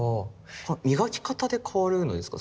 磨き方で変わるんですか？